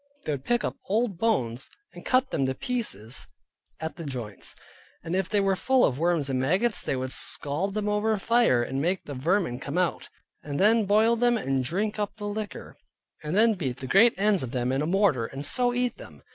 They would pick up old bones, and cut them to pieces at the joints, and if they were full of worms and maggots, they would scald them over the fire to make the vermine come out, and then boil them, and drink up the liquor, and then beat the great ends of them in a mortar, and so eat them.